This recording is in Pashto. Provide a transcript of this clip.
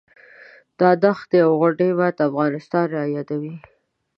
دا دښتې او غونډۍ ماته افغانستان رایادوي.